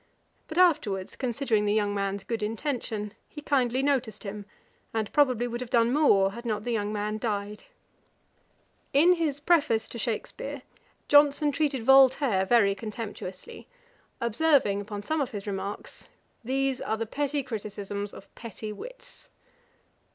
But afterwards, considering the young man's good intention, he kindly noticed him, and probably would have done more, had not the young man died. [Page 499: Voltaire's reply. Ætat 56.] In his Preface to Shakspeare, Johnson treated Voltaire very contemptuously, observing, upon some of his remarks, 'These are the petty criticisms of petty wits.'